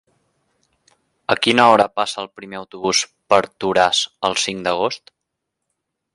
A quina hora passa el primer autobús per Toràs el cinc d'agost?